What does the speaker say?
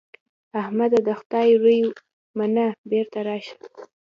احمده! د خدای روی منه؛ بېرته راشه.